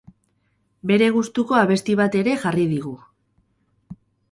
Bere gustuko abesti bat ere jarri digu.